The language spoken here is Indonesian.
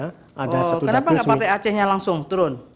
oh kenapa enggak partai acehnya langsung turun